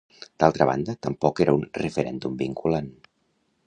D'altra banda, tampoc era un referèndum vinculant.